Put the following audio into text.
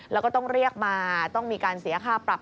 แล้วก็ต้องเรียกมาต้องมีการเสียค่าปรับ